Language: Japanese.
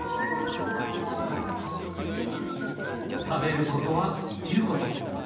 食べることは生きること。